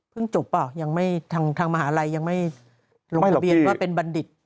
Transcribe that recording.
เพิ่งจบเหรอทางมหาลัยยังไม่ลงทะเบียนว่าเป็นบัณฑิต